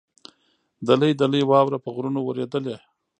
دلۍ دلۍ واوره په غرونو ورېدلې.